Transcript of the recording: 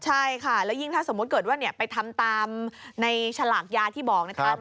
ใช่ค่ะแล้วยิ่งถ้าสมมุติเกิดว่าไปทำตามในฉลากยาที่บอกนะครับ